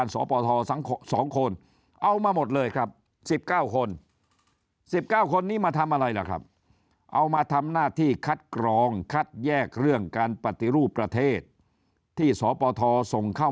สปท๒คนเอามาหมดเลยครับ๑๙คน๑๙คนนี้มาทำอะไรล่ะครับเอามาทำหน้าที่คัดกรองคัดแยกเรื่องการปฏิรูปประเทศที่สปทส่งเข้า